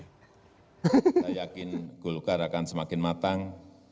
saya yakin golkar akan semakin matang